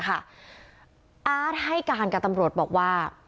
อาร์ตให้การกับตำรวจบอกว่า